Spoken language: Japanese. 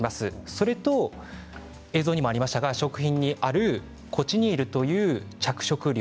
それと映像にありましたが食品にあるコチニールという着色料